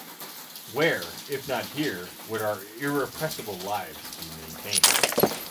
Where, if not here, would our irrepressible lives be maintained?